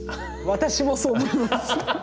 私もそう思います。